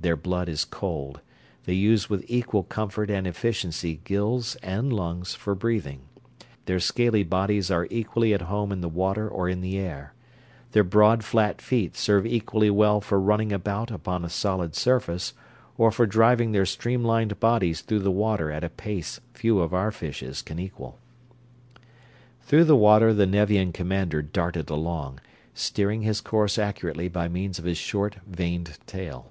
Their blood is cold; they use with equal comfort and efficiency gills and lungs for breathing; their scaly bodies are equally at home in the water or in the air; their broad, flat feet serve equally well for running about upon a solid surface or for driving their stream lined bodies through the water at a pace few of our fishes can equal. Through the water the Nevian commander darted along, steering his course accurately by means of his short, vaned tail.